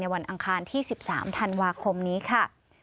วันอังคารที่๑๓ธันวาคมนี้ค่ะ